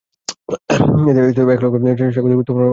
এতে এক পক্ষ স্বাগতিক ও অন্য পক্ষ অতিথি দল থাকবে।